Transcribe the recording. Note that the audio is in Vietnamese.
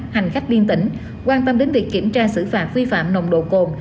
hành khách liên tỉnh quan tâm đến việc kiểm tra xử phạt vi phạm nồng độ cồn